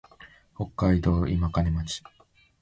北海道今金町